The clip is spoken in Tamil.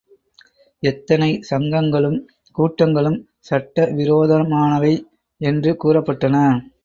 எத்தனை சங்கங்களும் கூட்டங்களும் சட்ட விரோதமானவை என்று கூறப்பட்டன.